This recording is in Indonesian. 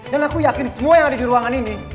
dan aku yakin semua yang ada di ruangan ini